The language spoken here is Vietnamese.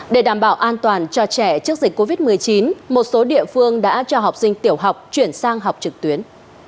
để đảm bảo an toàn cho trẻ trước dịch covid một mươi chín một số địa phương đã cho học sinh tiểu học chuyển sang học trực tuyến